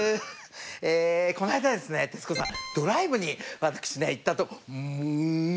えーこの間ですね徹子さんドライブに私ね行ったとうもぉ。